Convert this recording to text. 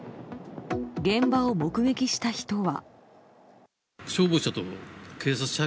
現場を目撃した人は。